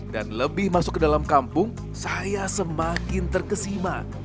dan lebih masuk ke dalam kampung saya semakin terkesima